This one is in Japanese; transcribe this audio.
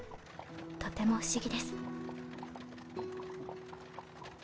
とても不思議です。